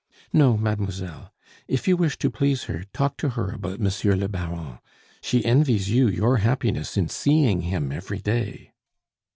"No, mademoiselle. If you wish to please her, talk to her about Monsieur le Baron; she envies you your happiness in seeing him every day."